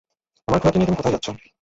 আমার ঘোড়াকে নিয়ে তুমি কোথায় যাচ্ছো?